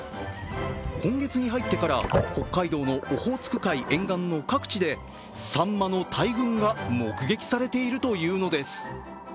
今月に入ってから北海道のオホーツク海沿岸の各地でさんまの大群が目撃されているというのです。